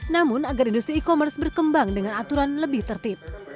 namun agar industri e commerce berkembang dengan aturan lebih tertib